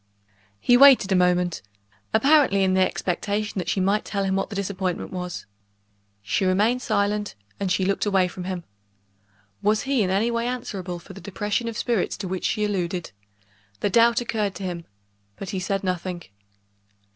He waited a moment, apparently in the expectation that she might tell him what the disappointment was. She remained silent, and she looked away from him. Was he in any way answerable for the depression of spirits to which she alluded? The doubt occurred to him but he said nothing.